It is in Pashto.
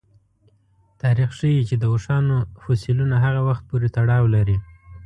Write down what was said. تاریخ ښيي چې د اوښانو فسیلونه هغه وخت پورې تړاو لري.